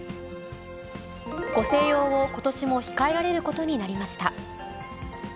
ご静養をことしも控えられることになりました。